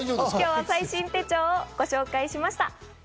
最新手帳をご紹介しました。